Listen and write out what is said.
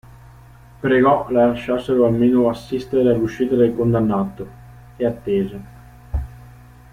Pregò la lasciassero almeno assistere all'uscita del condannato, e attese.